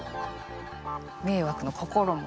迷惑の「心」も。